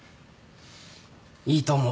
いいと思う。